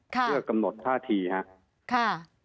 เพื่อกำหนดท่าทีครับ